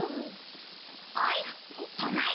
・おいとまれ！